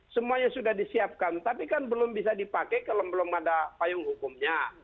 semuanya sudah disiapkan tapi kan belum bisa dipakai kalau belum ada payung hukumnya